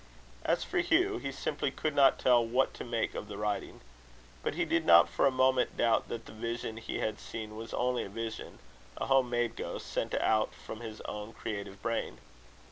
As for Hugh, he simply could not tell what to make of the writing. But he did not for a moment doubt that the vision he had seen was only a vision a home made ghost, sent out from his own creative brain.